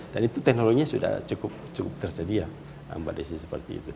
dan itu teknologinya sudah cukup tersedia pada saat seperti itu